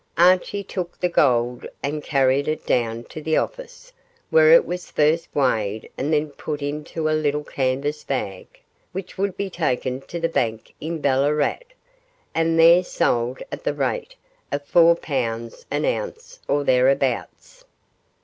Archie took the gold and carried it down to the office, where it was first weighed and then put into a little canvas bag, which would be taken to the bank in Ballarat, and there sold at the rate of four pounds an ounce or thereabouts.